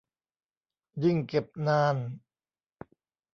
ยิ่งเก็บนาน